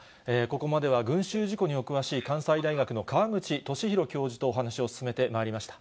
ここまでは群衆事故にお詳しい、関西大学の川口寿裕教授とお話を進めてまいりました。